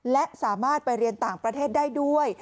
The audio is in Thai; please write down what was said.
และสามารถไปเรียนต่างประเทศได้ด้วย